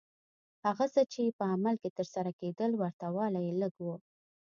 هغه څه چې په عمل کې ترسره کېدل ورته والی یې لږ و.